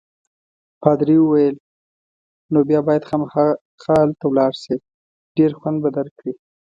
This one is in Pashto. پادري وویل: نو بیا باید خامخا هلته ولاړ شې، ډېر خوند به درکړي.